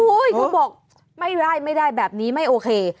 เขาบอกไม่ได้ไม่ได้แบบนี้ไม่โอเค